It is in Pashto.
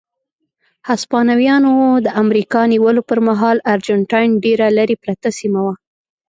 هسپانویانو د امریکا نیولو پر مهال ارجنټاین ډېره لرې پرته سیمه وه.